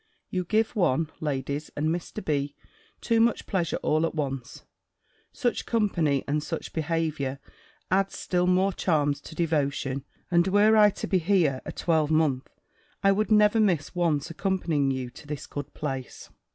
You give one, ladies, and Mr. B., too much pleasure all at once. Such company, and such behaviour adds still more charms to devotion; and were I to be here a twelvemonth, I would never miss once accompanying you to this good place."